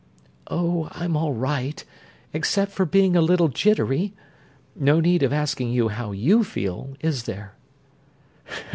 "Oh, I'm all right, except for being a little jittery. No need of asking how you feel, is there?"